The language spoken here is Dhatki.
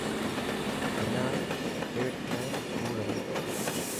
منا پيٽ ۾ سوڙ هي.